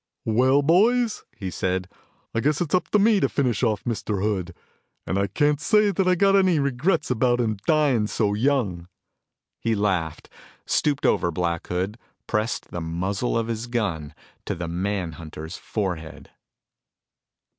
"Well, boys," he said, "I guess it's up to me to finish off Mr. Hood. And I can't say that I got any regrets about him dying so young." He laughed, stooped over Black Hood, pressed the muzzle of his gun to the manhunter's forehead.